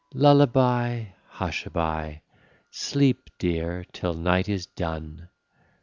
Lullaby, hushaby, sleep, dear, till night is done.